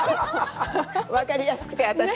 分かりやすくて、私。